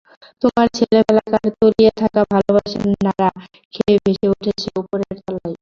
তোমার ছেলেবেলাকার তলিয়ে-থাকা ভালোবাসা নাড়া খেয়ে ভেসে উঠছে উপরের তলায়।